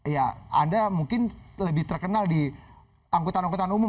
ya anda mungkin lebih terkenal di angkutan angkutan umum